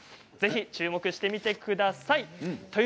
ぜひ注目してみてください。